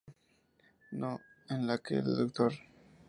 No", en la que el Dr.